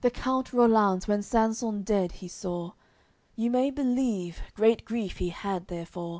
AOI. CXVII The count Rollanz, when Sansun dead he saw, You may believe, great grief he had therefor.